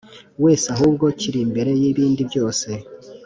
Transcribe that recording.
wese ahubwo kiri imbere yibindi byose